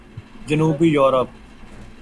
جنوبی یورپ